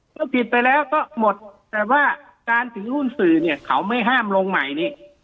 ก็ผิดไปแล้วก็หมดแต่ว่าการถือหุ้นสื่อเนี่ยเขาไม่ห้ามลงใหม่นี้